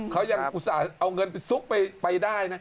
เขายังเอาเงินไปซุกไปได้